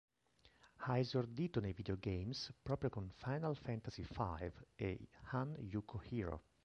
Ha esordito nei videogames proprio con "Final Fantasy V" e "Han-juku Hero".